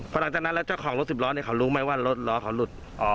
พอหลังจากนั้นแล้วเจ้าของรถสิบล้อเนี่ยเขารู้ไหมว่ารถล้อเขาหลุด